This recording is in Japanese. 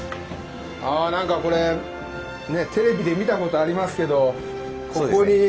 あなんかこれねテレビで見たことありますけどここに。